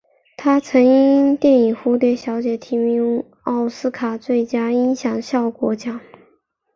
他曾因电影蝴蝶小姐提名奥斯卡最佳音响效果奖。